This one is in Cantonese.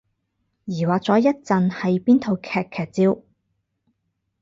疑惑咗一陣係邊套戲劇照